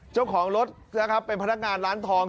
เจ้าของรถนะครับเป็นพนักงานร้านทอง